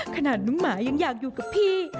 ขนาดน้องหมายังอยากอยู่กับพี่